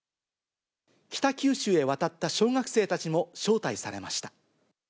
北九州へ渡った小学生たちも招待されました。